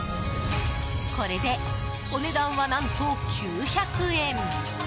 これでお値段は何と９００円！